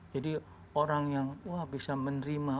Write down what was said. jadi orang yang wah bisa menerima